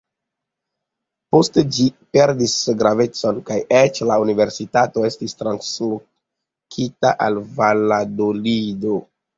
Poste ĝi perdis gravecon, kaj eĉ la universitato estis translokita al Valadolido.